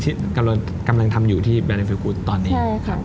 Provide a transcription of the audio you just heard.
ที่กำลังทำอยู่ที่แบรนด์เฟิลกูธตอนนี้